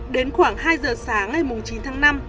đến khoảng hai giờ sáng ngày chín tháng năm